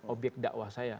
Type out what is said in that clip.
objek dakwah saya